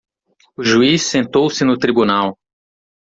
O juiz sentou-se no tribunal.